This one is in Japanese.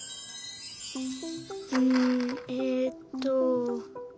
うんえっと。